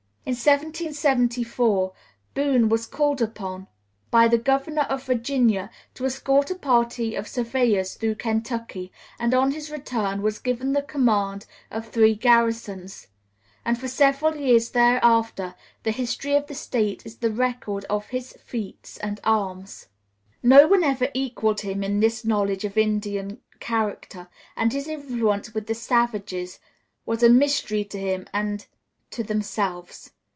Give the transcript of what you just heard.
In 1774 Boone was called upon by the Governor of Virginia to escort a party of surveyors through Kentucky, and on his return was given the command of three garrisons; and for several years thereafter the history of the State is the record of his feats of arms. No one ever equaled him in his knowledge of Indian character, and his influence with the savages was a mystery to him and to themselves.